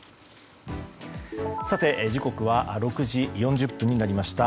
時刻は６時４０分になりました。